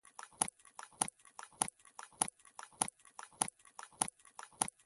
جاشوا نکومو د سیاست له صحنې ګوښه کړل شو.